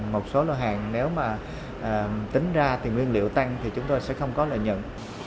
một số lo hàng nếu mà tính ra tiền nguyên liệu tăng thì chúng tôi sẽ không có lợi nhuận